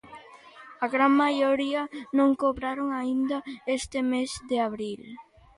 A gran maioría non cobraron aínda este mes de abril.